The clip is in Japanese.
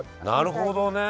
なるほどね。